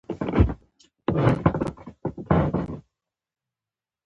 احمد ډېر د پايڅې رګی پالي.